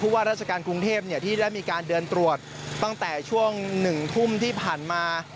ว่าราชการกรุงเทพที่ได้มีการเดินตรวจตั้งแต่ช่วง๑ทุ่มที่ผ่านมา